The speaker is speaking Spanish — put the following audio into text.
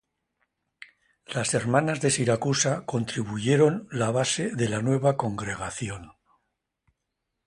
Las hermanas de Siracusa constituyeron la base de la nueva congregación.